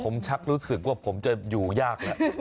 ผมชักรู้สึกว่าผมจะอยู่ยากแล้ว